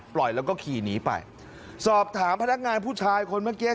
แล้วก็ขี่หนีไปสอบถามพนักงานผู้ชายคนเมื่อกี้